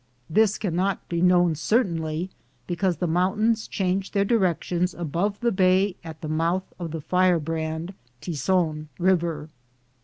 This can not be known certainly, because the mountains change their direction above the bay at the month of the Firebrand (Tizon) river.